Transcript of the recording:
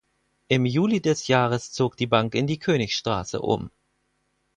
Im Juli des Jahres zog die Bank in die Königstraße um.